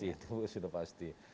ya karena itu sudah pasti